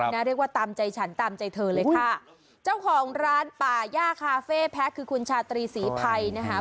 เรียกว่าตามใจฉันตามใจเธอเลยค่ะเจ้าของร้านป่าย่าคาเฟ่แพ้คือคุณชาตรีศรีภัยนะคะ